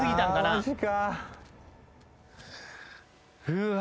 うわ。